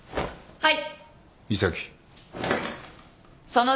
はい。